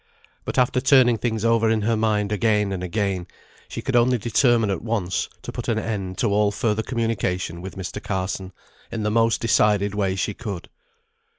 But after turning things over in her mind again and again, she could only determine at once to put an end to all further communication with Mr. Carson, in the most decided way she could.